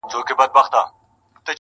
او صوفیانو خو سربیره